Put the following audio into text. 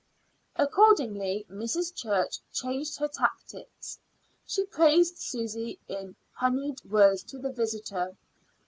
Accordingly, Mrs. Church changed her tactics. She praised Susy in honeyed words to the visitor.